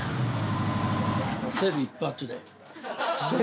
セル一発で。